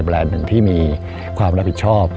แรนด์หนึ่งที่มีความรับผิดชอบ